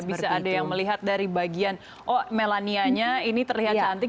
bisa ada yang melihat dari bagian oh melanianya ini terlihat cantik